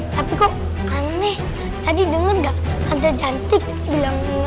tapi kok aneh tadi denger gak hantu jantik bilang